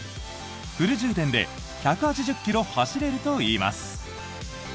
フル充電で１８０ｋｍ走れるといいます。